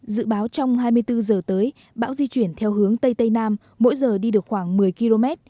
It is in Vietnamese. dự báo trong hai mươi bốn giờ tới bão di chuyển theo hướng tây tây nam mỗi giờ đi được khoảng một mươi km